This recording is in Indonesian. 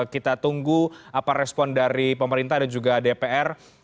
kita tunggu apa respon dari pemerintah dan juga dpr